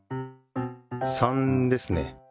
３ですね。